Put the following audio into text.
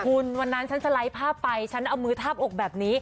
คุณวันนั้นฉันสไลด์ภาพไปฉันเอามือทาบอกแบบนี้